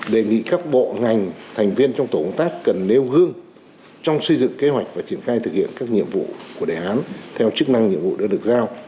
đề nghị các bộ ngành thành viên trong tổ công tác cần nêu gương trong xây dựng kế hoạch và triển khai thực hiện các nhiệm vụ của đề án theo chức năng nhiệm vụ đã được giao